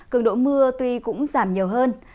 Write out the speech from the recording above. cường độ mưa tuy cũng giảm nhiều hơn